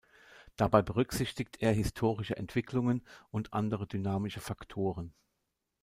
Dabei berücksichtigt er historische Entwicklungen und andere dynamische Faktoren.